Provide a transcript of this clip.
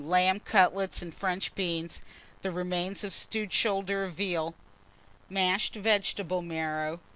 Lamb cutlets and French beans; the remains of stewed shoulder of veal, mashed vegetable marrow.